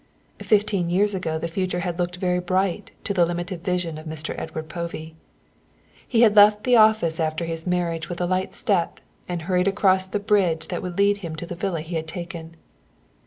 Fifteen years ago the future had looked very bright to the limited vision of Mr. Edward Povey. He had left the office after his marriage with a light step and hurried across the bridge that would lead him to the villa he had taken.